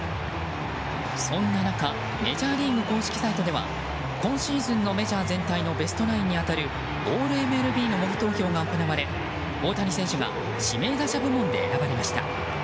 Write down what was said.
そんな中メジャーリーグ公式サイトでは今シーズンのメジャー全体のベストナインに当たるオールＭＬＢの模擬投票が行われ大谷選手が指名打者部門で選ばれました。